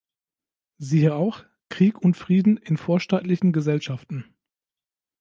Siehe auch: „Krieg und Frieden“ in vorstaatlichen Gesellschaften.